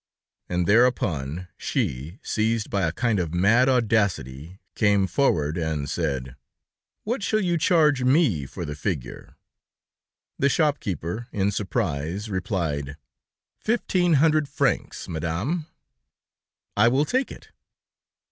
And thereupon, she, seized by a kind of mad audacity, came forward and said: "What shall you charge me for the figure?" The shop keeper, in surprise, replied: "Fifteen hundred francs, Madame." "I will take it."